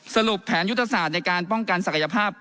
สรุปแผนยุทธศาสตร์ในการป้องกันศักยภาพ